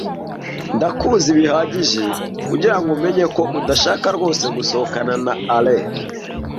Ndakuzi bihagije kugirango menye ko udashaka rwose gusohokana na Alain.